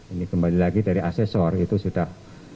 ini kembali lagi dari asesor itu sudah